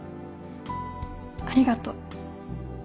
ありがとう。